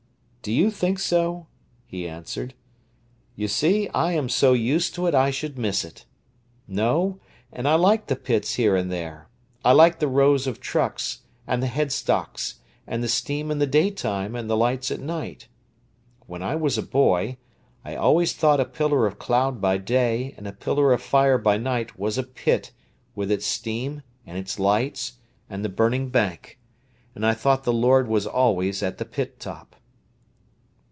"Do you think so?" he answered. "You see, I am so used to it I should miss it. No; and I like the pits here and there. I like the rows of trucks, and the headstocks, and the steam in the daytime, and the lights at night. When I was a boy, I always thought a pillar of cloud by day and a pillar of fire by night was a pit, with its steam, and its lights, and the burning bank,—and I thought the Lord was always at the pit top."